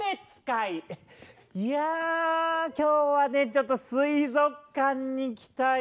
いや今日はねちょっと水族館に来たよ。